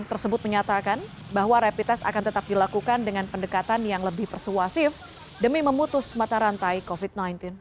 tersebut menyatakan bahwa rapid test akan tetap dilakukan dengan pendekatan yang lebih persuasif demi memutus mata rantai covid sembilan belas